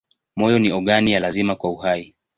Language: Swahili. Moyo ni ogani ya lazima kwa uhai.